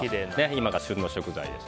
今が旬の食材です。